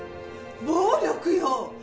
暴力よ！